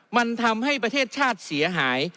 มันทำให้ประเทศชาติเสียหาย